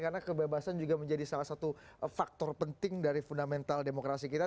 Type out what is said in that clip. karena kebebasan juga menjadi salah satu faktor penting dari fundamental demokrasi kita